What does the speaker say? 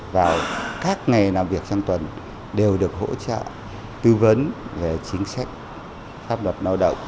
vào các ngày làm việc trong tuần đều được hỗ trợ tư vấn về chính sách pháp luật lao động